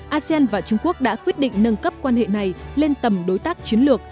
asean và trung quốc đã quyết định nâng cấp quan hệ này lên tầm đối tác chiến lược